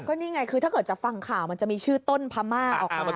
นี่ไงคือถ้าเกิดจะฟังข่าวมันจะมีชื่อต้นพม่าออกมา